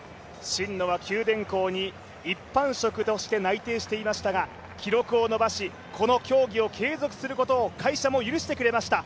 真野は九電工に一般職として内定していましたが記録を伸ばし、この競技を継続することを会社も許してくれました。